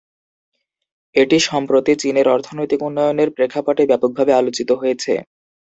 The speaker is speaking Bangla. এটি সম্প্রতি চীনের অর্থনৈতিক উন্নয়নের প্রেক্ষাপটে ব্যাপকভাবে আলোচিত হয়েছে।